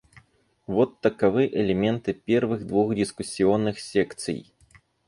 Вот таковы элементы первых двух дискуссионных секций.